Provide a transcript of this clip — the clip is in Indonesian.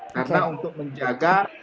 karena untuk menjaga